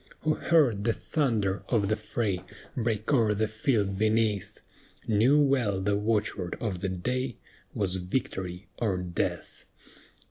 Who heard the thunder of the fray Break o'er the field beneath, Knew well the watchword of that day Was "Victory or Death."